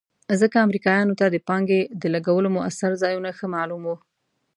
ځکه امریکایانو ته د پانګې د لګولو مؤثر ځایونه ښه معلوم وو.